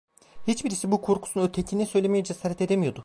Hiçbirisi bu korkusunu ötekine söylemeye cesaret edemiyordu.